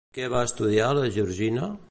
Què va estudiar la Georgina?